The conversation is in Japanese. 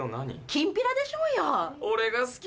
きんぴらでしょうよ。